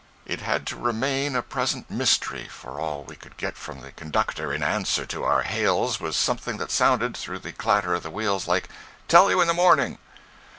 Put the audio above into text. It had to remain a present mystery, for all we could get from the conductor in answer to our hails was something that sounded, through the clatter of the wheels, like "Tell you in the morning!"